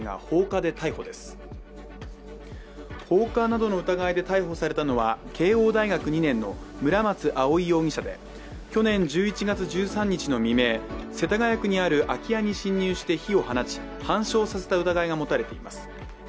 放火などの疑いで逮捕されたのは、慶応大学２年の村松葵容疑者で去年１１月１３日の未明、世田谷区にある空き家に侵入して火を放ち半焼させた疑いが持たれています。